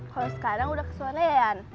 kalau sekarang udah kesorean